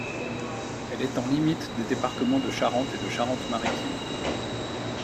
Elle est en limite des départements de Charente et de Charente-Maritime.